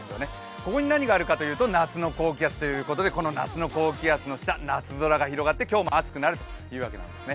ここに何があるかというと夏の高気圧ということでこの夏の高気圧の下夏空が広がって今日も暑くなるということなんですね。